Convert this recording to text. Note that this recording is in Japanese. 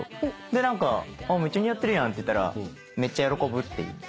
で何かめっちゃ似合ってるやんって言ったらめっちゃ喜ぶっていう。